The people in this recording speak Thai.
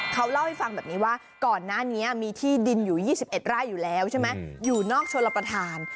เขาเล่าให้ฟังแบบนี้ว่าก่อนนั้นมีที่ดินอยู่๒๑ไร่อยู่นอกชนรับทาน